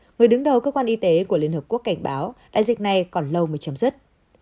người đứng đầu cơ quan y tế của liên hợp quốc cảnh báo đại dịch này còn lâu mới chấm dứt